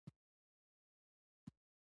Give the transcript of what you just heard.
د ابدي مني خوبونه ویني